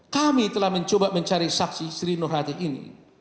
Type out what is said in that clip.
kami telah mencoba mencari saksi sri nur hayati ini